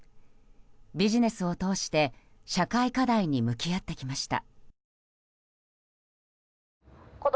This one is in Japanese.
ビジネスを通して社会課題に向き合ってきました。